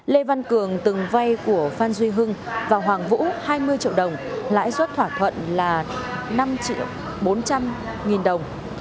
lê văn cường từng vay của phan duy hưng và hoàng vũ hai mươi triệu đồng lãi suất thỏa thuận là năm bốn trăm linh nghìn đồng